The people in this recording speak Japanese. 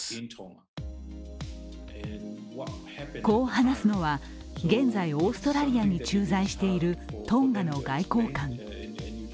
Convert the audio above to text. こう話すのは、現在オーストラリアに駐在しているトンガの外交官。